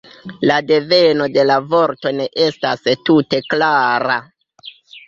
La deveno de la vorto ne estas tute klara.